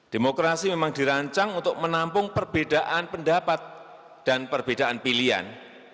demokrasi memang dirancang untuk menampung perbedaan pendapat dan perbedaan pilihan